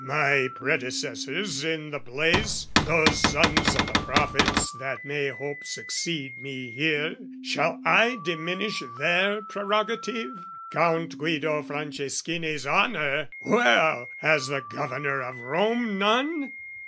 "My predecessors in the place, those sons "O' the prophets that may hope succeed me here, "Shall I diminish their prerogative? "Count Guido Franceschini's honour! well, "Has the Governor of Rome none?"